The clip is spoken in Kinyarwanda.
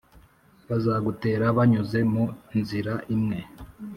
Bazagutera banyuze mu nzira imwe,